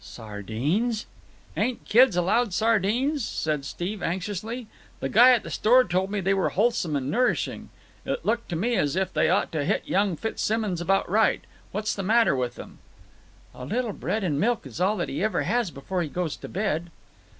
"Sardines!" "Ain't kids allowed sardines?" said Steve anxiously. "The guy at the store told me they were wholesome and nourishing. It looked to me as if that ought to hit young Fitzsimmons about right. What's the matter with them?" "A little bread and milk is all that he ever has before he goes to bed."